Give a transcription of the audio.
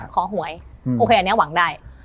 หวยโอเคอันนี้หวังได้